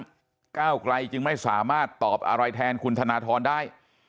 เพราะฉะนั้นก้าวกรัยจึงไม่สามารถตอบอะไรแทนคุณธนัทรได้